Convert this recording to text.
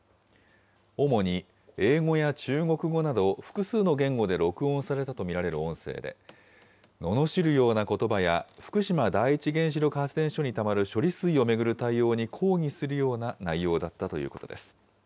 主に、英語や中国語など複数の言語で録音されたと見られる音声で、ののしるようなことばや、福島第一原子力発電所にたまる処理水を巡る対応に抗議するような内容だったということです。